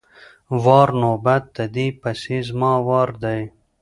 وار= نوبت، د دې پسې زما وار دی!